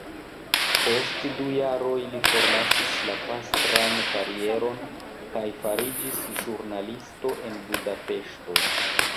Post du jaroj li forlasis la pastran karieron, kaj fariĝis ĵurnalisto en Budapeŝto.